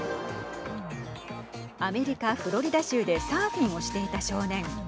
アメリカ、フロリダ州でサーフィンをしていた少年。